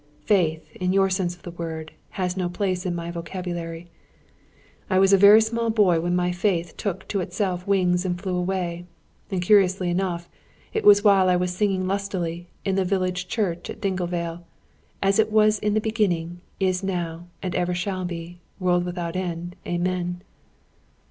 'Faith,' in your sense of the word, has no place in my vocabulary. I was a very small boy when my faith took to itself wings and flew away; and, curiously enough, it was while I was singing lustily, in the village church at Dinglevale: 'As it was in the beginning, is now, and ever shall be; world without end, Amen'!"